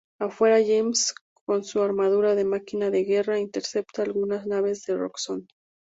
Afuera, James, con su armadura de Máquina de Guerra, intercepta algunas naves de Roxxon.